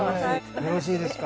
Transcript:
よろしいですか。